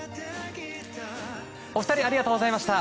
お二人ありがとうございました。